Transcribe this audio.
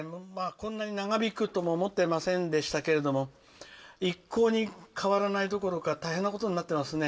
こんなに長引くとも思ってませんでしたけれども一向に変わらないどころか大変なことになってますね。